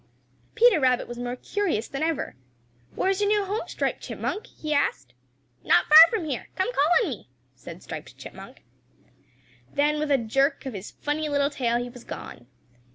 Peter Rabbit was more curious than ever. "Where is your new home, Striped Chipmunk?" he asked. "Not far from here; come call on me," said Striped Chipmunk. Then with a jerk of his funny little tail he was gone.